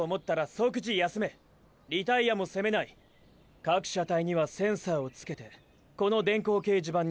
各車体にはセンサーをつけてこの電光掲示板に順位を表示する。